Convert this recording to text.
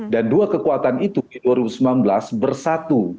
dan dua kekuatan itu di dua ribu sembilan belas bersatu